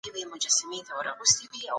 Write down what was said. هغه لاره چي د حق وي تل نېکمرغۍ ته رسيږي.